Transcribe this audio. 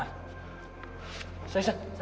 kalau nya tahu dia tidak tahu tahu